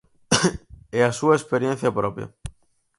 E a súa experiencia propia.